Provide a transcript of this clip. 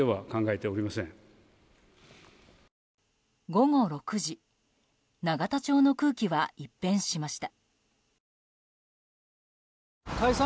午後６時永田町の空気は一変しました。